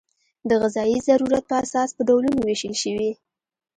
د غذایي ضرورت په اساس په ډولونو وېشل شوي.